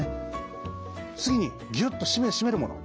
次にギュッと締めるもの